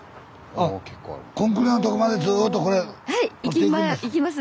あっコンクリのとこまでずっとこれ掘っていくんです？